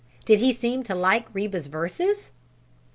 Did he seem to like Reba's verses?"